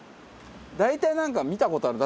大体なんか見た事ある。